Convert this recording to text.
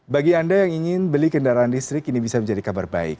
bagi anda yang ingin beli kendaraan listrik ini bisa menjadi kabar baik